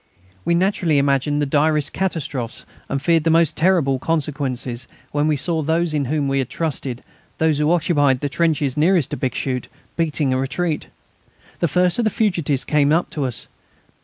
We naturally imagined the direst catastrophes and feared the most terrible consequences when we saw those in whom we had trusted, those who occupied the trenches nearest to Bixschoote, beating a retreat. The first of the fugitives came up to us.